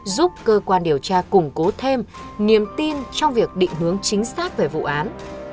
giúp cơ quan điều tra củng cố thêm niềm tin trong việc định hướng chính xác về vụ án